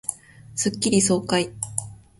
スッキリ爽快